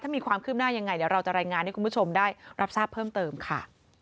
มีความคืบหน้ายังไงเดี๋ยวเราจะรายงานให้คุณผู้ชมได้รับทราบเพิ่มเติมค่ะ